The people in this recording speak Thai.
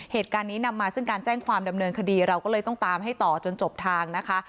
เหตุการณ์นี้นำมาซึ่งการแจ้งความดำเนินคดีเราก็เลยต้องตามให้ต่อจนจบทางนะคะ